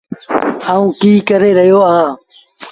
آئوٚنٚ ڪيٚ ڪري رهيو اهآنٚ